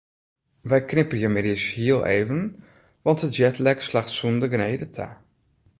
Wy knipperje middeis hiel even want de jetlag slacht sûnder genede ta.